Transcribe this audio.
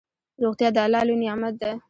روغتيا دالله لوي نعمت ده